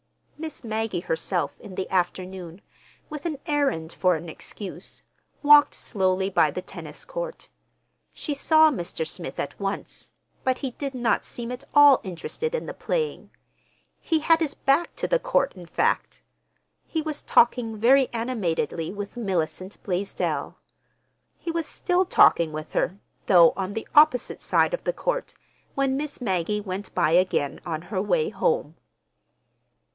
Miss Maggie herself, in the afternoon, with an errand for an excuse, walked slowly by the tennis court. She saw Mr. Smith at once—but he did not seem at all interested in the playing. He had his back to the court, in fact. He was talking very animatedly with Mellicent Blaisdell. He was still talking with her—though on the opposite side of the court—when Miss Maggie went by again on her way home.